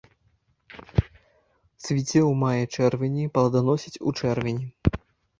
Цвіце ў маі-чэрвені, пладаносіць у чэрвені.